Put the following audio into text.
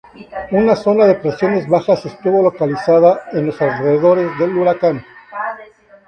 Una zona de presiones bajas estuvo localizada en los alrededores del huracán.